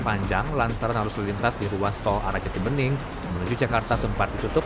panjang lantaran harus melintas di ruas tol aracati bening menuju jakarta sempat ditutup